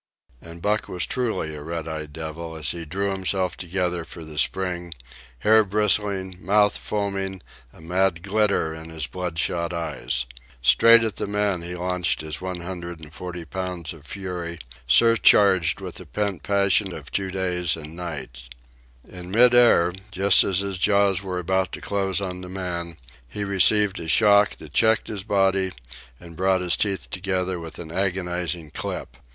And Buck was truly a red eyed devil, as he drew himself together for the spring, hair bristling, mouth foaming, a mad glitter in his blood shot eyes. Straight at the man he launched his one hundred and forty pounds of fury, surcharged with the pent passion of two days and nights. In mid air, just as his jaws were about to close on the man, he received a shock that checked his body and brought his teeth together with an agonizing clip.